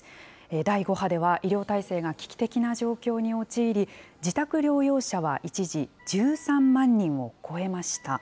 第５波では医療体制が危機的な状況に陥り、自宅療養者は一時１３万人を超えました。